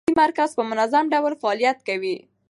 د بانک معلوماتي مرکز په منظم ډول فعالیت کوي.